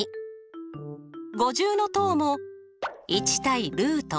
五重塔も１対。